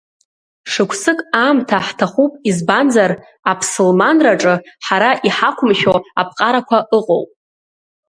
Шықәсык аамҭа ҳҭахуп избанзар, аԥсылманраҿы ҳа-ра иҳақәымшәо аԥҟарақәа ыҟоуп.